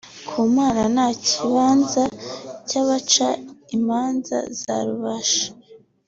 ku Mana nta kibanza cy’abaca imanza za Rubasha